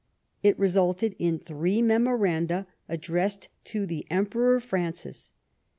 It resulted in three memoranda addressed to the Emperor Francis.